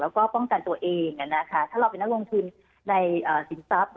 แล้วก็ป้องกันตัวเองถ้าเราเป็นนักลงทุนในสินทรัพย์